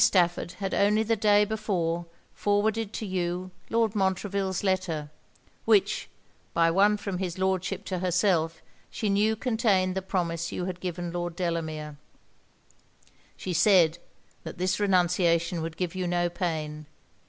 Stafford had only the day before forwarded to you Lord Montreville's letter, which, by one from his Lordship to herself, she knew contained the promise you had given Lord Delamere. She said, that this renunciation would give you no pain.